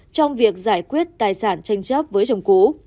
trong việc giải quyết tài sản tranh chấp với chồng cũ